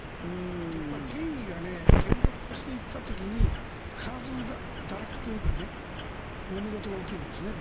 権威が権力化していった時に必ず堕落というかもめ事が起きるんですね。